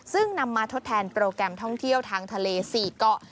ซึ่งนำมาทดแทนโปรแกรมท่องเที่ยวทางทะเล๔เกาะ